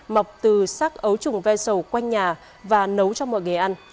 mọc từ sắc ấu trùng ve sầu quanh nhà và nấu cho mọi người ăn